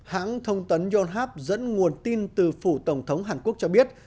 hãng thông tấn yonhap dẫn nguồn tin từ phủ tổng thống hàn quốc cho biết